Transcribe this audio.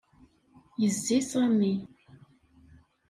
Yezzi Sami.